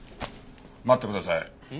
待ってください。